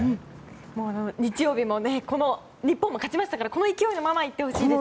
日曜日も日本も勝ちましたからこの勢いのままいってほしいです。